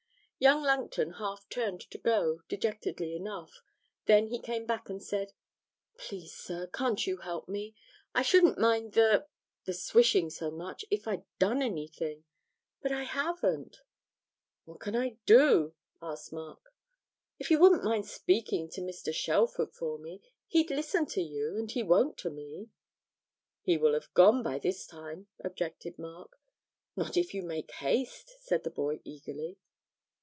Young Langton half turned to go, dejectedly enough; then he came back and said, 'Please, sir, can't you help me? I shouldn't mind the the swishing so much if I'd done anything. But I haven't.' 'What can I do?' asked Mark. 'If you wouldn't mind speaking to Mr. Shelford for me he'd listen to you, and he won't to me.' 'He will have gone by this time,' objected Mark. 'Not if you make haste,' said the boy, eagerly.